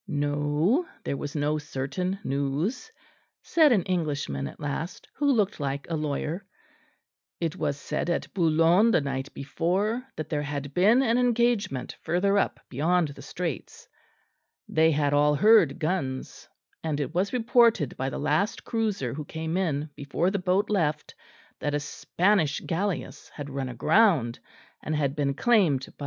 No, there was no certain news, said an Englishman at last, who looked like a lawyer; it was said at Boulogne the night before that there had been an engagement further up beyond the Straits; they had all heard guns; and it was reported by the last cruiser who came in before the boat left that a Spanish galleasse had run aground and had been claimed by M.